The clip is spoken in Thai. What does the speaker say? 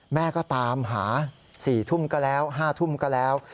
แม่ก็ตามหา๑๖๐๐ก็แล้ว๑๗๐๐ก็แล้ว